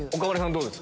どうです？